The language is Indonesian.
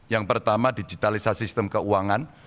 yang pertama digitalisasi sistem keuangan